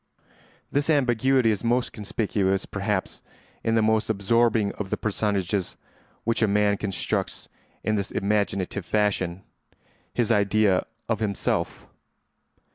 This ambiguity is most conspicuous, perhaps, in the most absorbing of the personages which a man constructs in this imaginative fashion—his idea of himself.